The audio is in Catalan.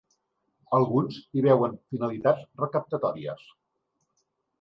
Alguns hi veuen finalitats recaptatòries.